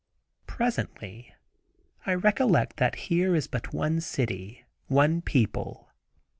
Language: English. Presently I recollect that here is but one city, one people.